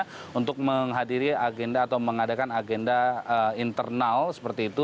dan menghadiri agenda atau mengadakan agenda internal seperti itu